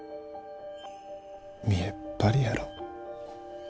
見えっ張りやろ。